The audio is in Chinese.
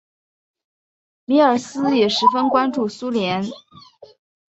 米尔斯也十分关注苏联。